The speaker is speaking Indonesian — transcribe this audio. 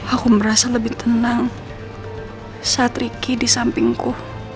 aku merasa lebih tenang saat ricky di sampingku